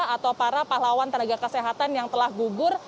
atau para pahlawan tenaga kesehatan yang telah gugur